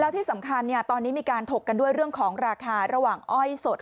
ที่สำคัญตอนนี้มีการถกกันด้วยเรื่องของราคาระหว่างอ้อยสด